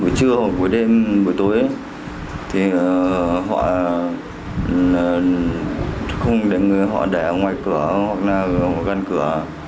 buổi trưa buổi đêm buổi tối họ không để người họ đẻ ngoài cửa hoặc gần cửa